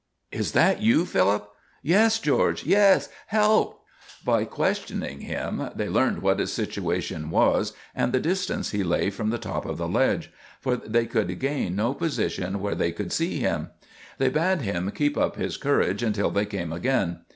"Is that you, Philip?" "Yes, George! Yes! Help!" By questioning him they learned what his situation was, and the distance he lay from the top of the ledge; for they could gain no position where they could see him. They bade him keep up his courage until they came again.